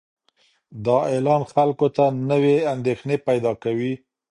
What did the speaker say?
دا اعلان خلکو ته نوې اندېښنې پیدا کوي.